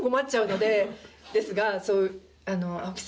ですが。